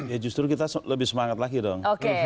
ya justru kita lebih semangat lagi dong